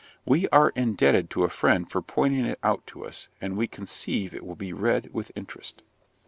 We are indebted to a friend for pointing it out to us, and we conceive it will be read with interest.